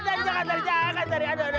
bang kalau gitu ngantar aja ke rumah saya ya